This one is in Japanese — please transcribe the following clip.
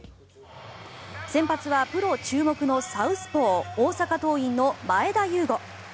先発はプロ注目のサウスポー大阪桐蔭の前田悠伍。